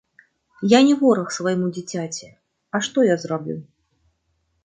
Я не вораг свайму дзіцяці, а што я зраблю?